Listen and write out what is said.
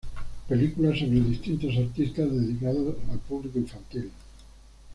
Película sobre distintos artistas dedicados al público infantil.